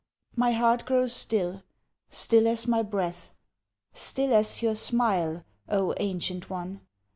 My heart grows still, Still as my breath, Still as your smile, O Ancient One!